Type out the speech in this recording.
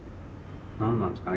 何なんですかね